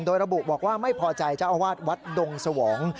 โดยระบุบอกว่าไม่พอใจเจ้าอาวาสวัดดงสวอง